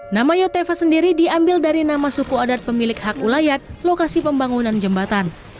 nama yotefa sendiri diambil dari nama suku adat pemilik hak ulayat lokasi pembangunan jembatan